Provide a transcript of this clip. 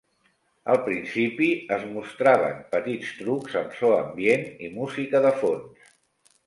Al principi es mostraven petits trucs amb so ambient i música de fons.